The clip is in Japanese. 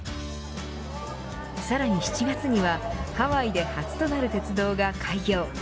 さらに７月にはハワイで初となる鉄道が開業。